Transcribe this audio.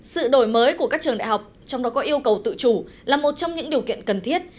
sự đổi mới của các trường đại học trong đó có yêu cầu tự chủ là một trong những điều kiện cần thiết